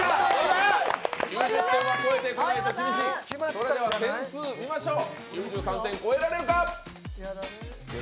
それでは点数、見ましょう。